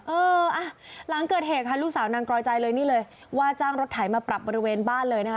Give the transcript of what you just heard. เอออ่ะหลังเกิดเหตุค่ะลูกสาวนางกรอยใจเลยนี่เลยว่าจ้างรถไถมาปรับบริเวณบ้านเลยนะคะ